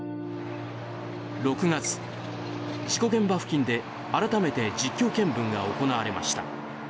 ６月、事故現場付近で改めて実況見分が行われました。